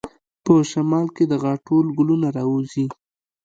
په شمال کې د غاټول ګلونه راوځي.